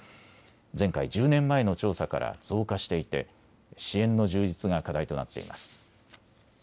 前回１０年前の調査から増加していて支援の充実が課題となっています。